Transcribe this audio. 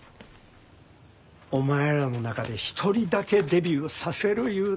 お前らの中で１人だけデビューさせる言うたけどな。